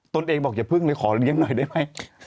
เองบอกอย่าพึ่งเลยขอเลี้ยงหน่อยได้ไหม